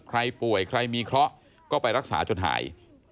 ใครป่วยใครมีเคราะห์ก็ไปรักษาจนหาย